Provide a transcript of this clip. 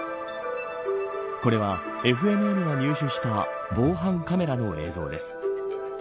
これは、ＦＮＮが入手した防犯カメラの映像です。